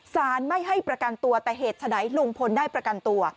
สารไม่ให้ประกันตัวแต่เหตุฉะไหนลุงพลได้ประกันตัว